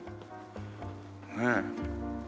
ねえ。